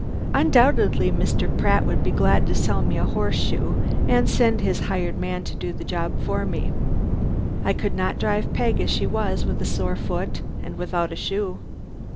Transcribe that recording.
Undoubtedly Mr. Pratt would be glad to sell me a horse shoe and send his hired man to do the job for me. I could not drive Peg as she was, with a sore foot and without a shoe.